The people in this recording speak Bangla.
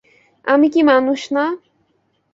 আমি কি মানুষ না।